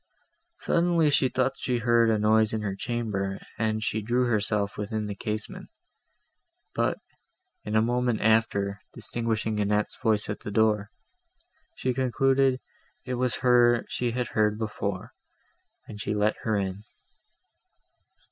Suddenly, she thought she heard a noise in her chamber, and she drew herself within the casement; but, in a moment after, distinguishing Annette's voice at the door, she concluded it was her she had heard before, and she let her in.